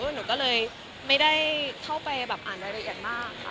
หนูก็เลยไม่ได้เข้าไปแบบอ่านรายละเอียดมากค่ะ